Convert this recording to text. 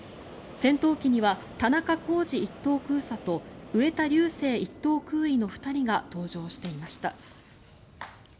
戦闘機には田中公司１等空佐と植田竜生１等空尉の２人が搭乗していました。